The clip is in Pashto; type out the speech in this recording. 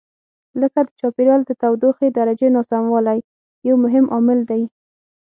لکه د چاپېریال د تودوخې درجې ناسموالی یو مهم عامل دی.